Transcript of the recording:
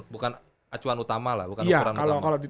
bukan acuan utama lah bukan ukuran utama